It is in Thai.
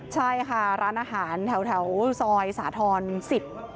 ใช่ค่ะร้านอาหารแถวซอยสาธรณ์๑๐